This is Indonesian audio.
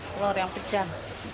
telur yang pecah